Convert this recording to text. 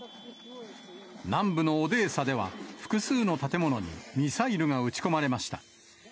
南部のオデーサでは、複数の建物にミサイルが撃ち込まれました。